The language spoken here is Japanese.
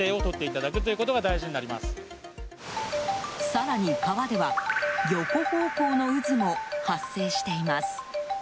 更に、川では横方向の渦も発生しています。